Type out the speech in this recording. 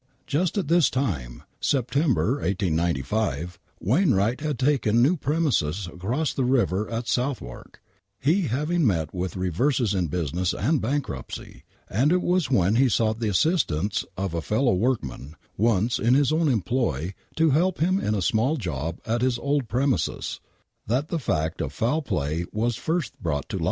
Just at this time, September, 1895, Wainwright had taken new premises across the river at Southwark, he having met witli reverses in business, and bankruptcy, and it was when he sought the assistance of a fellow workman, once in his own employ, to help him in a small job at his old premises, that the fact of foul play was first brought to light.